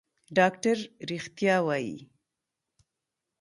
ډاکتر رښتيا وايي.